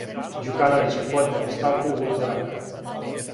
Ђукановић је поднео оставку у уторак.